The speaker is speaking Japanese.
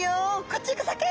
こっち行くサケ。